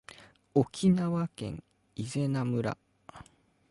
沖縄県伊是名村